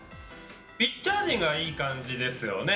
ピッチャー陣がいい感じですよね。